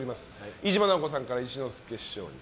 飯島直子さんから一之輔師匠に。